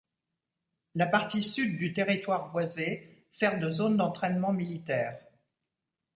La partie sud du territoire boisé sert de zone d'entraînement militaire.